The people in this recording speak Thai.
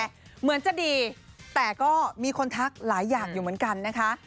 เหมือนจะดีแต่ก็มีคนทักหลายอย่างอยู่เหมือนกันนะคะ